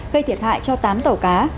gây thiệt hại cho tám tàu cá